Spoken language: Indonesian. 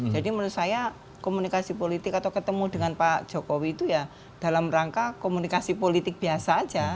jadi menurut saya komunikasi politik atau ketemu dengan pak jokowi itu ya dalam rangka komunikasi politik biasa saja